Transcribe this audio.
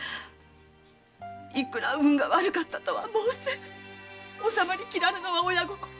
いくら運が悪かったとは申せ納まりきれないのは親心。